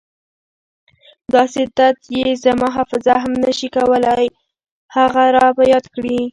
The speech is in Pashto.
داسې تت چې زما حافظه هم نه شي کولای هغه را په یاد کړي.